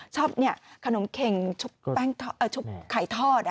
ชอบเนี่ยขนมเข็งชุบไข่ทอด